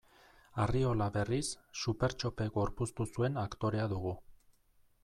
Arriola, berriz, Supertxope gorpuztu zuen aktorea dugu.